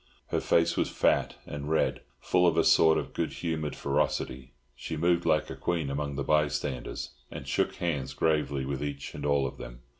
Her face was fat and red, full of a sort of good humoured ferocity; she moved like a queen among the bystanders, and shook hands gravely with each and all of them.